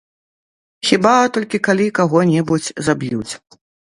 Хіба толькі калі каго-небудзь заб'юць.